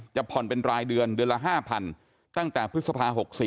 ผ่อนเป็นรายเดือนเดือนละ๕๐๐๐ตั้งแต่พฤษภา๖๔